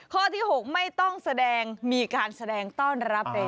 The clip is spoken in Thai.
ข้อที่๖ไม่ต้องแสดงมีการแสดงต้อนรับเลย